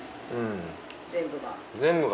全部が。